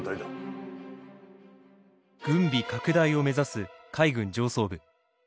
軍備拡大を目指す海軍上層部。